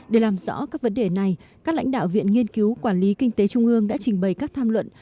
để làm rõ các vấn đề này các lãnh đạo viện nghiên cứu quản lý kinh tế trung ương đã trình bày các tham luận